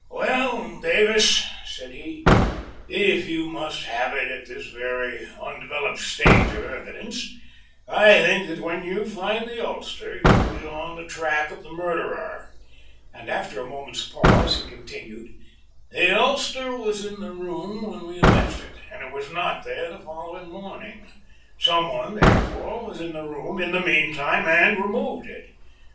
"Well, Dallas," he said, "if you must have it at this very undeveloped stage of the evidence, I think that when you find the ulster you will be on the track of the murderer," and after a moment's pause he continued: "The ulster was in the room when we left it and it was not there the following morning. Some one, therefore, was in the room in the meanwhile and removed it.